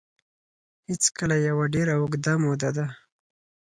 هېڅکله یوه ډېره اوږده موده ده